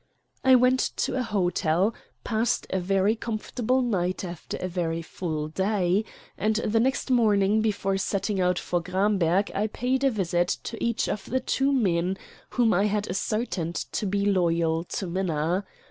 I went to a hotel, passed a very comfortable night after a very full day, and the next morning before setting out for Gramberg I paid a visit to each of the two men whom I had ascertained to be loyal to Minna.